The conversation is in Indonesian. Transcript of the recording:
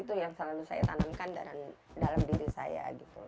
itu yang selalu saya tanamkan dalam diri saya gitu